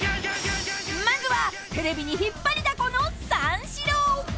［まずはテレビに引っ張りだこの］